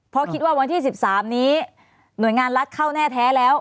เพราะคิดว่าวันที่๑๓นี้หน่วยงานรัฐเข้าแน่แท้แล้ว